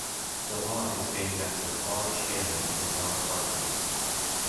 The law is named after Claude Shannon and Ralph Hartley.